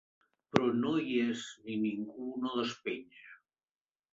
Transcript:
Però no hi és ni ningú no despenja.